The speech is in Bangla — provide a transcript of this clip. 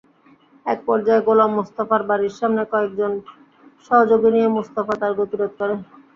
একপর্যায়ে গোলাম মোস্তফার বাড়ির সামনে কয়েকজন সহযোগী নিয়ে মোস্তফা তার গতিরোধ করে।